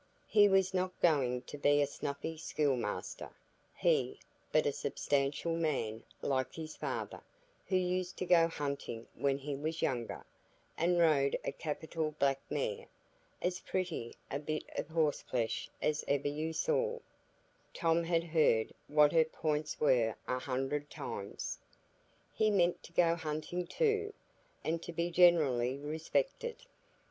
He was not going to be a snuffy schoolmaster, he, but a substantial man, like his father, who used to go hunting when he was younger, and rode a capital black mare,—as pretty a bit of horse flesh as ever you saw; Tom had heard what her points were a hundred times. He meant to go hunting too, and to be generally respected.